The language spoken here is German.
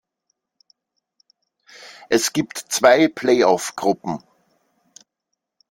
Es gibt zwei Playoff-Gruppen.